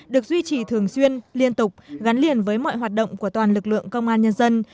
được duy trì thường xuyên liên tục gắn liền với mọi hoạt động của toàn lực lượng công an nhân dân